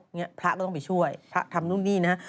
เนี่ยพระก็ต้องไปช่วยพระทำนู่นนี่นะฮะ